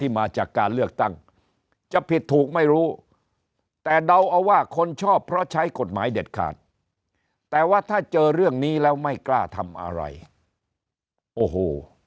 มาจากการเลือกตั้งจะผิดถูกไม่รู้แต่เดาเอาว่าคนชอบเพราะใช้กฎหมายเด็ดขาดแต่ว่าถ้าเจอเรื่องนี้แล้วไม่กล้าทำอะไรโอ้โห